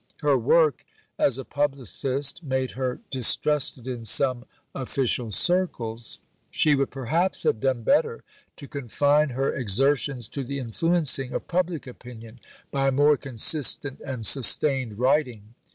Her work as a publicist made her distrusted in some official circles. She would perhaps have done better to confine her exertions to the influencing of public opinion by more consistent and sustained writing.